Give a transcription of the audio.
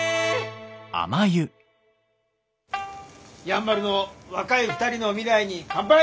やんばるの若い２人の未来に乾杯！